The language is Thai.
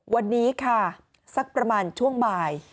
วันนี้ค่ะสักประมาณช่วงบ่าย